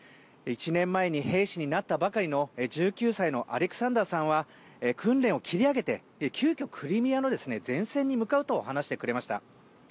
１年前に兵士になったばかりの１９歳のアレクサンダーさんは訓練を切り上げて急きょクリミアの前線に向かうと話してくれました。